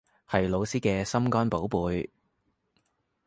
係老師嘅心肝寶貝